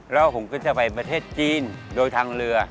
แล้วผมก็จะไปประเทศจีนโดยทางเรือ